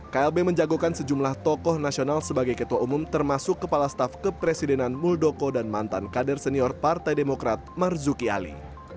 klb menjagokan sejumlah tokoh nasional sebagai ketua umum termasuk kepala staf kepresidenan muldoko dan mantan kader senior partai demokrat marzuki ali